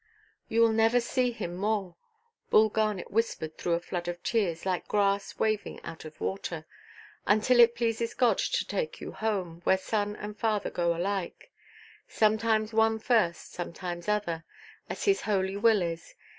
"You will never see him more"—Bull Garnet whispered through a flood of tears, like grass waving out of water—"until it pleases God to take you home, where son and father go alike; sometimes one first, sometimes other, as His holy will is.